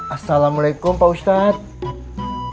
assalamualaikum pak ustadz